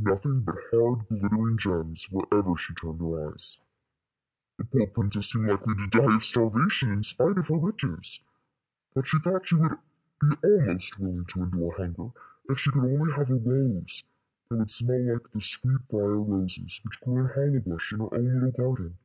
Nothing but hard glittering gems wherever she turned her eyes. The poor princess seemed likely to die of starvation in spite of her riches, but she thought she would be almost willing to endure hunger if she could only have a rose that would smell like the sweet brier roses which grew in Hollowbush in her own little garden.